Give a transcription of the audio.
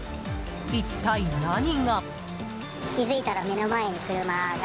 一体何が？